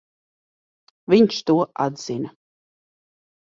Viņš to atzina.